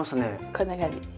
こんな感じ。